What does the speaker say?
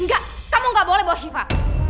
enggak kamu gak boleh bawa syifa